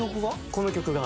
この曲が。